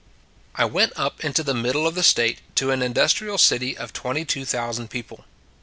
I went up into the middle of the State to an industrial city of twenty two thousand people.